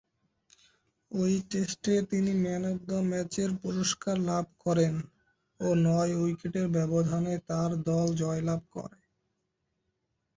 ঐ টেস্টে তিনি ম্যান অব দ্য ম্যাচের পুরস্কার লাভ করেন ও নয়-উইকেটের ব্যবধানে তার দল জয়লাভ করে।